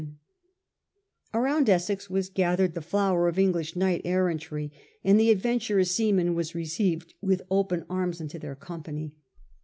} Around Essex was gathered the flower of English knight errantry, and the adventurous seaman was re ceived with open arms into their company.